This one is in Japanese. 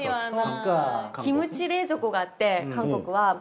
キムチ冷蔵庫があって韓国は。